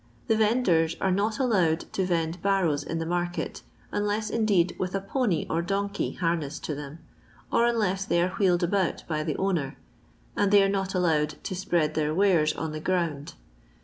The vendors are not allowed to vend barrows in the market, unless indeed with a poney or donkey harnessed to them, or unless they are wheeled about by the owner, and they are not allowed to spread their wares on the ground.